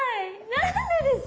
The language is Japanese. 何でですか？